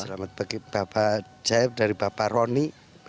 selamat pagi bapak jaib dari bapak roni